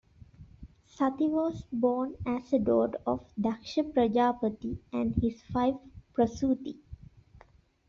Sati was born as a daughter of Daksha Prajapati and his wife Prasuti.